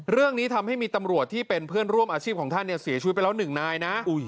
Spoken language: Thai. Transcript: เรื่องนี้ทำให้มีตำรวจที่เป็นเพื่อนร่วมอาชีพของท่านเนี่ยเสียชีวิตไปแล้วหนึ่งนายนะ